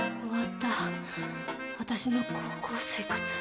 終わった私の高校生活。